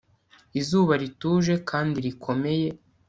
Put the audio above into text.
Izuba rituje kandi rikomeye